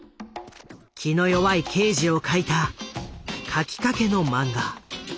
気の弱い刑事を描いた描きかけの漫画。